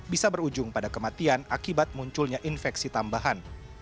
bisa berujung pada kematian akibat munculnya infeksi tambahan